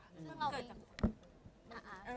ซึ่งเรามีอาจ